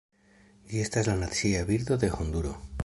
Ĝi estas la nacia birdo de Honduro.